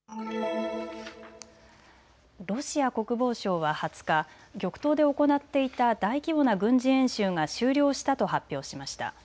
ロシア国防省は２０日、極東で行っていた大規模な軍事演習が終了したと発表しました。